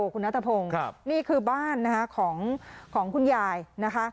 คุณนัทพงศ์นี่คือบ้านนะคะของคุณยายนะคะ